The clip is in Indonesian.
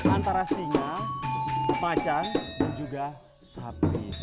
antara singa macan dan juga sapi